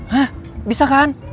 hah bisa kan